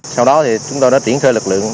sau đó thì chúng tôi đã tiến thơi lực lượng